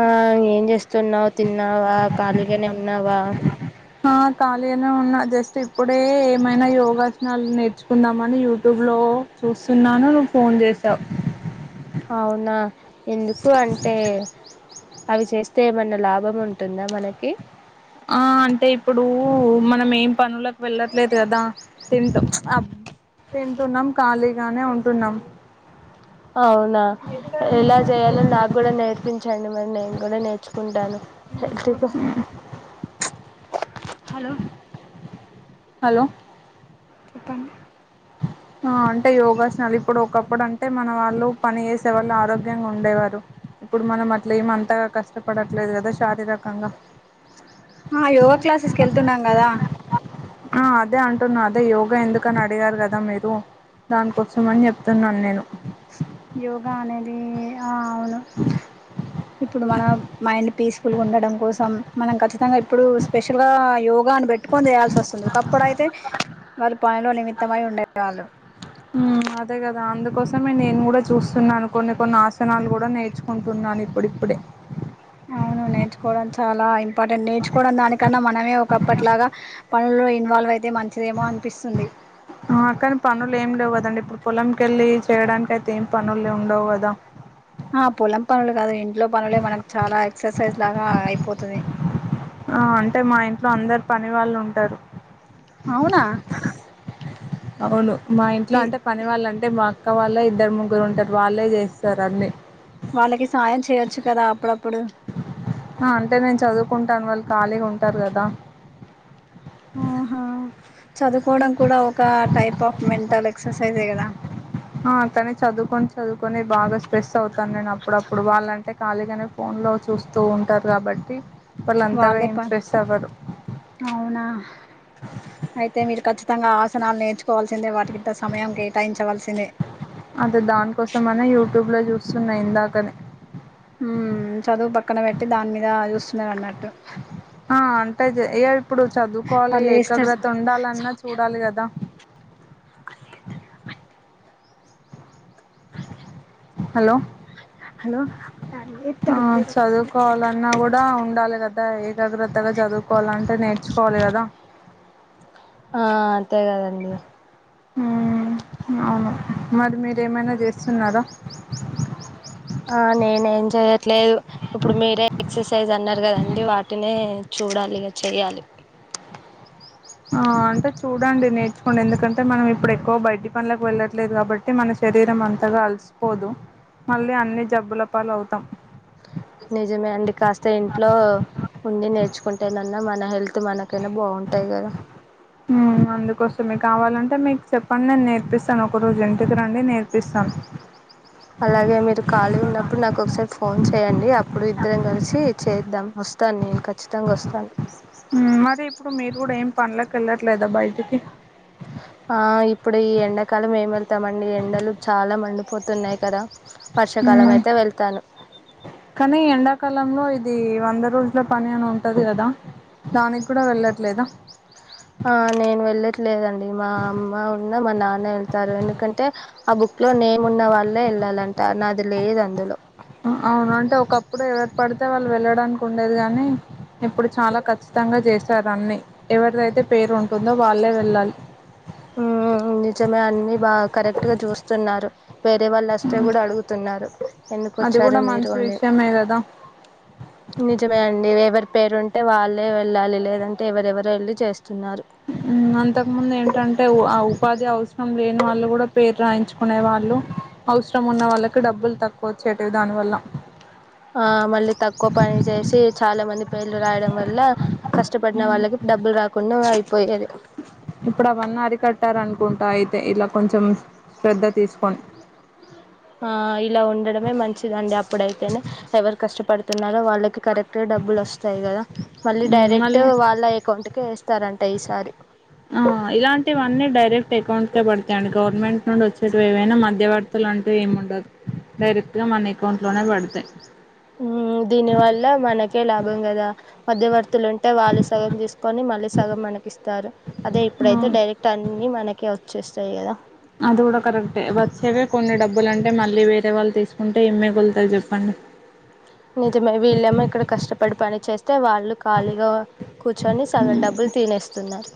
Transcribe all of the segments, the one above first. ఆ ఏం చేస్తున్నావ్ తిన్నావా ఖళీగానే ఉన్నవా ఆ ఖాళీనే ఉన్నా జస్ట్ ఇప్పుడే ఏమైనా యోగాసనాలు నేర్చుకుందాం అని యూట్యూబ్ లో చూస్తున్నాను నువ్వు ఫోన్ చేసావ్ అవునా ఎందుకు అంటే అవి చేస్తే ఏమన్నా లాభం ఉంటుందా మనకి ఆ అంటే ఇప్పుడు కు మనం ఏం పనులకు వెళ్ళట్లేదు కదా తింటాం ఆ తింటున్నాం ఖాళీగానే ఉంటున్నాం అవునా పించండి మరి నేను కూడా నేర్చుకుంటాను హలో హలో కుపం [inaudible] ఆ అంటే యోగాసనాలు ఇప్పుడు ఒకప్పుడు అంటే మన వాళ్ళు పని చేసే వాళ్ళు ఆరోగ్యంగా ఉండేవారు ఇప్పుడు మనం అట్లా ఏమ అంతగా కష్టపడట్లేదు కదా శారీరకంగా ఆ యోగా క్లాసెస్కి వెళ్తున్నాం కదా ఆ అదే అంటున్నా అదే యోగా ఎందుకని అడిగారు కదా మీరు దాన్ కోసం అని చేప్ స్తున్నాను నేను యోగా అనేది ఆ అవును ఇప్పుడు మన మైండ్ పీస్ఫుల్గా ఉండడం కోసం మనం ఖచ్చితంగా ఇప్పుడు స్పెషల్గా యోగాను పెట్టుకొని చేయాల్సి వస్తుంది ఒకప్పుడైతే వాళ్ళు పనిలో నిమిత్తమై ఉండేవాళ్ళు ఉమ్ అదే గదా అందుకోసమే నేను కూడా చూస్తున్నాను కొన్ని కొన్ని ఆసనాలు కూడా నేర్చుకుంటున్నాను. ఇప్పుడిప్పుడే అవును నేర్చుకొవడం చాలా ఇంపార్టెంట్ నేర్చుకోవడం దానికన్నా మనమే ఒకప్పట్లాగా పనుల్లో ఇన్వాల్వ్ అయితే మంచిదేమో అనిపిస్తుంది ఆ కాని పనులు ఏం లేవు కదండి ఇప్పుడు పొలం కెళ్ళి చేయడానికి అయితే ఏం పనులు ఉండవు కదా ఆ పొలం పనులు కాదు ఇంట్లో పనులే మనకు చాలా ఎక్సర్సైజ్ లాగా అయిపోతది ఆ అంటే మా ఇంట్లో అందరు పని వాళ్ళు ఉంటరు అవునా అవును మా ఇంట్లో తి అంటే పని వాళ్ళంటే మా అక్క వాళ్ళే ఇద్దరు ముగ్గురు ఉంటరు వాళ్ళే జెస్తారు అన్నీ వాళ్ళకి సాయం చేయొచ్చు కదా అప్పుడప్పుడు ఆ అంటే నేను చదువుకుంటాను వాళ్ళు ఖాళీగా ఉంటారు కదా ఆహా చదువుకోవడం కూడా ఒక టైప్ ఆఫ్ మెంటల్ ఎక్సర్సైజే కదా ఆ కానీ చదువుకొని చదువుకొని బాగా స్ట్రెస్ అవుతాను నేను అప్పుడప్పుడు వాళ్ళంటే ఖాళీగానే ఫోన్ లో చూస్తూ ఉంటారు కాబట్టి వాళ్ళు అంతగా వాళ్ళే ఏం పని స్ట్రెస్ అవ్వరు అవునా అయితే మీరు ఖచ్చి తంగా ఆసనాలు నేర్చుకోవాల్సిందే వాటికింత సమయం కేటాయించవలసిందే అదే దానికోసం అన్ యో ట్యూబ్లో చూసున్నా ఇందాకనే ఉమ్ చదువు పక్కన పెట్టి దాని మీద చూస్తున్నారు అన్నట్టు ఆ అంటే జ ఏ ఇప్పుడు చదువుకోవాలి వాళ్ళు ఏస్తారు ఏకాగ్రత ఉండాలన్నా చూడాలి కదా హలో హలో ఆ ఏత్తడు చదువుకోవాలన్నా కూడా ఉండాలి గాదా ఆ ఏకాగ్రత్తగా చదువుకోవాలంటే నేర్చుకోవాలి కదా ఆ అంతే కదండి మ్మ్ అవును మరి మీరేమైనా చేస్తున్నారా ఆ నేనేం చెయట్లేదు ఇప్పుడు మీరే ఎక్సర్సైజ్ అన్నారు కదండి వాటిని చూడాలి ఇక చెయ్యాలి ఆ అంటే చూడండి నేర్చుకోండి ఎందుకంటే మనం ఇప్పుడు ఎక్కువ బయటి పనులకు వెళ్ళట్లేదు కాబట్టి మన శరీరం అంతగా అలసిపోదు మళ్ళీ అన్ని జబ్బుల పాలు అవుతాం నిజమే అండి కాస్త ఇంట్లో ఉండి నేర్చుకుంటేనన్నా మన హెల్త్ మనకైనా బాగుంటాయి కదా మ్మ్ అందుకోసమే కావాలంటే మీకు చెప్పండి నేను నేర్పిస్తాను ఒక రోజు ఇంటికి రండి నేర్పిస్తాను అలాగే మీరు ఖాళీ ఉన్నప్పుడు నాకు ఒకసారి ఫోన్ చేయయండి అప్పుడు ఇద్దరం కలిసి చేద్దాం వస్తాను నేను ఖచ్చితంగా వస్తాను మరి ఇప్పుడు మీరు కూడా ఏం పనలే ఏళ్లట్లేదా బయటకి ఆ ఇప్పుడు ఈ ఎండాకాలం ఏం వెళ్తామండి ఎండలు చాలా మండిపోతున్నాయి కదా వర్షాకాలం ఉమ్ అయితే వెళ్తాను కాలంలో ఇది వంద రోజుల పని అని ఉంటది కదా దానికి కూడా వెళ్ళట్లేదా ఆ నేను వెళ్ళట్లేదండి మా అమ్మ ఉన్న మా నాన్న వెళ్తారు ఎందుకంటే ఆ బుక్ లో నేము ఉన్న వాళ్ళే వెళ్ళాలంటారు నాది లేదు అందులో అవును అంటే ఒకప్పుడు ఎవరు పడితే వాళ్ళు వెళ్ళడానికి ఉండేది కాగానీ ఇప్పుడు చాలా కఖచ్చితంగా చేశారు అన్ని ఎవరిదైతే పేరు ఉంటుందో వాళ్ళే వెళ్ళాలి మ్మ్ మ్మ్ మ్మ్ నిజమే అన్ని బాగా కరెక్ట్ గా చూస్తున్నారు వేరే వాళ్ళు వస్తే కూడా అడుగుతున్నారు ఎందుకు అది కూడా వచ్చారు మీరు మంచి అని విషయమే కదా నిజమే అండి ఎవరి పేరుంటే వాళ్ళే వెళ్ళాలి లేదంటే ఎవరెవరు రైళ్లు చేస్తున్నారు అంతకుముందు ఏంటంటే ఉపాధి అవసరం లేని వాళ్ళు కూడా పేరు రాయించుకునే వాళ్ళు అవసరం ఉన్న వాళ్ళకి డబ్బులు తక్కువ వచ్చేటవి దానివల్ల ఆ మళ్ళీ తక్కువ పని చేసి చాలా మంది పేర్లు రాయడం వల్ల కష్టపడిన వాళ్ళకి డబ్బులు రాకుండా అయిపోయేది ఇప్పుడు అవన్నీ అరికట్టారనుకుంటా అయితే ఇలా కొంచెం శ్రద్ధ తీసుకొం ఆ ఇలా ఉండడమే మంచిదండి అప్పుడైతేనే ఎవరు కష్టపడుత న్నార వాళ్ళకి కరెక్ట్ గా డబ్బులు వస్తాయి కదా మళ్ళీ హ్మ్. డైరెక్ట్ మళ్ళీ వాళ్ళ అకౌంట్ క ఎస్త ఇస్తారంటే ఈసారి ఆ ఇలాంటివన్నీ డైరెక్ట్ అకౌంట్ పడతాయండి గవర్నమెంట్ నుండి వచ్చేటవి ఏవైనా మధ్యవర్తలు అంటూ ఏమి ఉండదు డైరెక్ట్ గా మన అకౌంట్ లోనే పడతాయి మ్మ్ దీనివల్ల మనక్ కె లాభం కదా. మధ్యవర్తులు ఉంటే వాళ్ళు సగం తీసుకొని మళ్ళీ సగం మనకి ఇస్తారు. అదే ఇప్పుడైతే డైరెక్ట్ అన్ని మనకే వచ్చేస్తాయి కదా. అది కూడా కరెక్టే. వచ్చేవె కొన్ని డబ్బులు అంటే మల్లి వేరే వాళ్ళు తీసుకుంటే ఎం మిగుల్తది చెప్ పండి నిజమే వీళ్ళమో ఇక్కడ కష్టపడి పని చేస్తే వాళ్ డబ్బులు తినేస్తున్నారు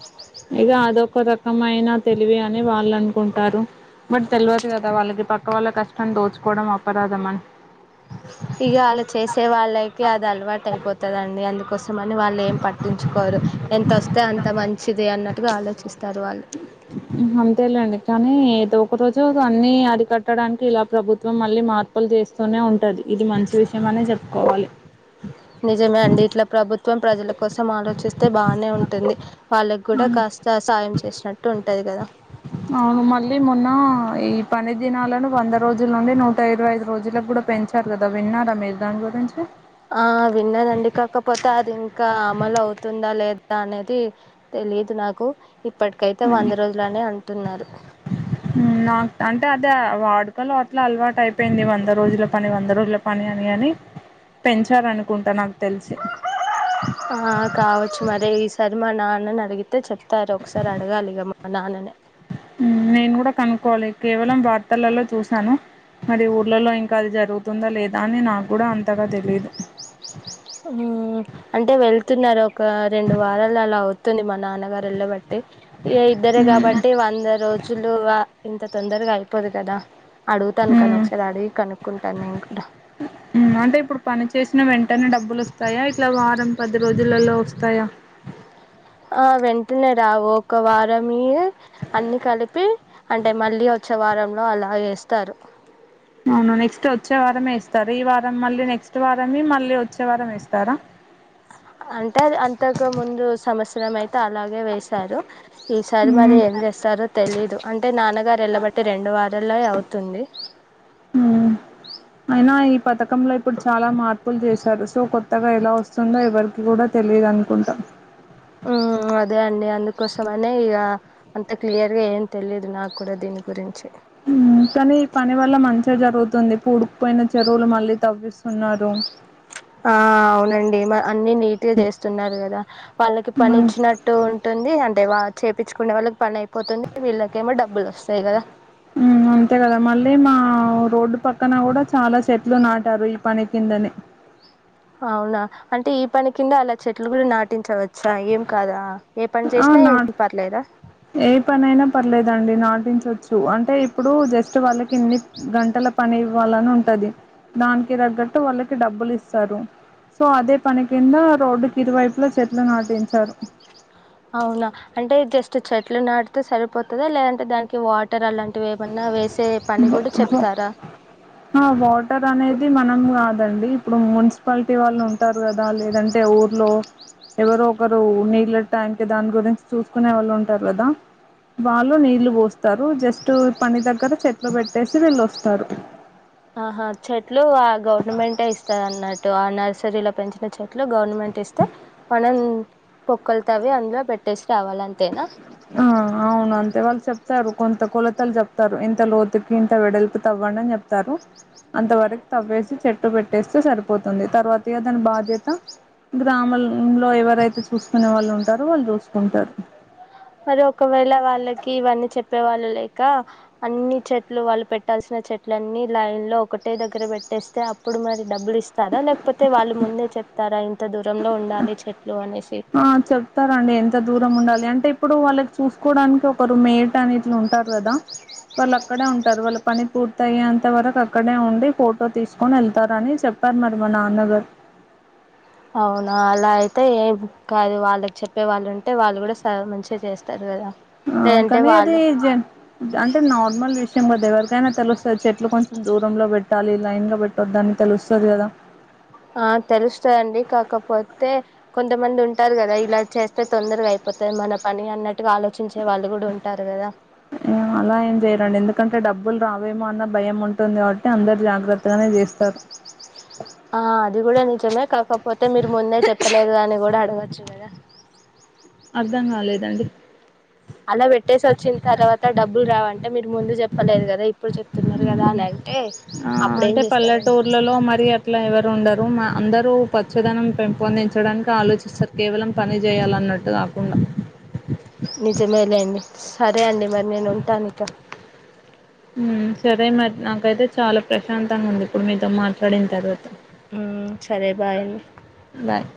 ఇగ అదొక రకమైన తెలివి అని వాళ్ళు అనుకుంటారు. బట్ తెలవదు కదా వాళ్ళకి పక్కవాళ్ళ కష్టాన్ని దోచుకోవడం అపరాదమన్ ఇగ ఆళ్ళ చేసే వాళ్ళకి అది అలవాటు అయిపో తదండి అందుకోసం అని వాళ్ళు ఏం పట్టించుకోరు. ఎంత వస్తే అంత మంచిది అన్నట్టుగా ఆలోచిస్తారు వాళ్ళు అంతేలేండి కానీ ఏదో ఒక రోజు అన్ని అరికట్టడానికి ఇలా ప్రభుత్వం మళ్ళీ మార్పులు చేస్తూనే ఉంటది ఇది మంచి విష్ నిజమే అండి ఇట్లా ప్రభుత్వం ప్రజల కోసం ఆలోచిస్తే బానే ఉంటుంది వాళ్ళక్కూడా మన కాస్త సాయం చేసినట్టు ఉంటది కదా అవును మళ్ళీ మొన్న ఈ పని దినాలను వంద రోజుల నుండి నూట ఇరవై ఐదు రోజులకు కూడా పెంచారు కదా విన్నారా మీరు దాని గురించి ఆ విన్నదండి కాకపోతే అది ఇంకా అమలు అవుతుందా లేదా అనేది తెలీదు నాకు ఇప్పటికైతే వంద రోజులనే అంటున్నారు నాక్ అంటే అదే వాడుకలు అట్ల అలవాటు అయిపోయింది వంద రోజుల పని వంద రోజుల పని అని అని పెంచారనుకుంటా నాకు తెలిసి ఆ కావచ్చు మరి ఈసర్ మా నాన్నని అడిగితే చెప్తారు ఒకసారి అడగాలిగా మా నాన్ననె త్తలల్లో చూసాను మరి ఊర్లలొ ఇంక అది జ రుగుతుంద లేదా అని నాకు కూడ అంతగా తెలీదు ఊ అంటే వెళ్తున్నారు ఒక రెండు వారాలు అలా అవుతుంది మా నాన్నగారు వెళ్ళబట్ ట్టి ఇగ ఇద్దరే కాబట్టి వంద రోజులు వా త తొందరగ అయిపోదు కదా అడుగుతాను కానీ ఒకసారి అడిగి కనుక్కుంటాను నేను కూడా టనే డబ్బులు వస్తాయ ఇట్లా వారం పది రోజులలో తయా ఆ వెంటనే రావు ఒక వారమియి అన్ని కలిపి అంటే మళ్ళీ వచ్చే వారంలో అలా వేస్తారు అవును నెక్స్ట్ వచ్చే వారమే ఇస్తారు. ఈ వారం మళ్ళీ నెక్స్ట్ వారంయి మళ్ళీ వచ్చే వారం ఇస్తారా అంటే అది అంతకు ముందు సంవత్సరం అయితే అలాగే వేశారు ఈ సరి మరే ఏం చేస్తారో తెలీదు అంటే నాన్నగారు వెళ్ళబట్టి రెండు వారలె అవుతుంది అయినా ఈ పథకంలో ఇప్పుడు చాలా మార్పులు చేశారు సో కొత్తగా ఎలా వస్తుందో ఎవరికి కూడా తెలీదనుకుంట ఆ అదే అండి అందుకోసమనే ఇగా అంత క్లియర్గా ఏం తెలీదు నాకు కూడా దీని గురించి ఉ కానీ ఈ పని వల్ల మంచ్ చే జరుగుతుంది పూడుకుపోయిన చెరువులు మళ్ళీ తవ్విస్ ఆ అవునండి మా అన్ని నీట్గ చేస్తున్నారు కదా వాళ్ళకి పని ఇచ్చినట్టు ఉంటుంది అంటే వా చేపిచుకునె వాళ్ళకి పని పోతుంది వీళ్ళకేమో డబ్బులు వస్తాయి కదా అంతే కదా మళ్ళీ మా రోడ్డు పక్కన కూడా చాలా చెట్లు నాటారు ఈ పని కిందనే అవునా అంటే ఈ పని కింద అలా చెట్లు కూడా నాటించవచ్చా ఏం కాదా ఏ పని ఆ చేసినా ఏం నాట్ పర్లేదా ఏ పనయినా పర్లేదండి నాటించ చూ అంటే ఇప్పుడు జస్ట్ వాళ్ళకి ఇన్ని గంటల పని వాళ్ళని ఉంటది దానికి తగ్గట్టు వాళ్ళకి డబ్బులు ఇస్తారు సో అదే పని కింద రోడ్డుకి ఇరువైపుల చెట్లు నాటించారు అవునా అంటే జస్ట్ చెట్లు నాటితే సరిపోతదా లేదంటే దానికి వాటర్ అలాంటి ఆ వాటర్ అనేది మనం కాదు అండి ఇప్పుడు మున్సిప పాలిటీ వాళ్ళు ఉంటారు కదా లేదంటే ఊర్లో ఎవరో ఒకరు నీళ్ళ ట్యాంక్ దాని గురించి చూసుకునే వాళ్ళు ఉంటారు కదా వాళ్ళు నీళ్లు పోస్తారు జస్ట్ టు పని దగ్గర చెట్లు పెట్టేసి వెళ్ళొస్తారు ఆహా చెట్లు గవర్నమెంటట్ ఇస్తది అన్నట్టు ఆ నర్సరీలో పెంచిన చెట్లు గవర్నమెంట్ ఇస్తే మనం బొక్కలు తవ్వి అందులో పెట్టేసి రావాలి అంతేనా ఆ అవును అంతే వాళ్ళు చెప్తారు కొంత కొలతలు చెప్తారు ఇంత లోతుకి ఇంత వెడల్పు తవ్వ ప్తారు అంత వరకు తవ్వేసి చెట్టు పెట్టేస్తే సరి పోతుంది తర్వాత త దని బాదత [unintelligible] గ్రామం లో ఎవరైతే చూసుకునే వాళ్ళు ఉంటారో వాళ్ళు చూసుకుంటారు మరి ఒకవేళ వాళ్ళకి ఇవన్నీ చెప్పే వాళ్ళు లేక అన్ని చెట్లు వాళ్ళు పెట్టాల్సిన చెట్లన్నీ లైన్ లో ఒకటే దగ్గర పెట్టేస్తే అప్పుడు మరి డబ్బులు ఇస్తారా లేకపోతే వాళ్ళు ముందే చెప్తారా ఇంత దూరంలో ఉండాలి చెట్లు అనేసి ఆ చెప్తారంండి ఎంత దూరం ఉండాలి అంటే ఇప్పుడు వాళ్ళకి చూసుకోవడానికి ఒకరు మేడ్ అనిట్ల ఉంటారు కదా వాళ్ళు అక్కడే ఉంటారు వాళ్ళు పని పూర్త అయ్యేంత ఇంత వరకు అక్కడే ఉండి ఫోటో తీసుకొని వెళ్తారని చెప్పారు మరి మా నాన్నగారు అవునా అలా అయితే ఏమ్ కాదు వాళ్ళకి చెప్పే వాళ్ళు ఉంటే వాళ్ళు కూడాా మంచిగా చేస్తారు కదా ఆ లేదంటే కానీ అది వాళ్ళు జ అంటే నార్మల్ విషయం కదా ఎవరికైనా తెలుస్తది చెట్లు కొంచెం దూరంలో పెట్టాలి లైన్ లో పెట్ట దాని తెలుస్తుంది కదా ఆ తెలుస్తాధండి కాకపోతే కొంతమంది ఉంటారు కదా ఇలా చేస్తే తొందరగా అయిపోతది మన పని అన్నట్ అలా ఏం చేయరండి ఎందుకంటే డబ్బులు రావేమో అన్న భయం ఉంటు ఉంటుంది కాబట్టి అందరు జాగ్రత్తగానే చేస్తారు ఆ అది కూడా నిజమే కాకపోతే మీరు ముందే చెప్పలేదు అని కూడా అడగచ్చు కదా అర్థం కాలేదండి అలా పెట్టేసి వచ్చిన తర్వాత డబ్బులు రావంటే మీరు ముందు చెప్పలేదు కదా ఇప్పుడు చెప్తున్నారు కదా అని ఆ అప్పుడు ఏం అంటే చేస్తారండి పల్లెటూర్లలో మరి అట్లా ఎవరు ఉండరు మా అందరూ పచ్చదనం పెంపొందించడానికి ఆలోచిస్తారు కేవలం పని చేయాలన్నట్టు కాకుండా ని అయితమే లేండి సరే అండి మరి నేను ఉంటాను ఇక హ్ సరే మరి నాకైతే చాలా ప్రశాంతంగా ఉంది ఇప్పుడు మీతో మాట్లాడిన తర్వాత ఉ సరే బాయ్ బాయ్